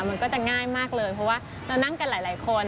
มันก็จะง่ายมากเลยเพราะว่าเรานั่งกันหลายคน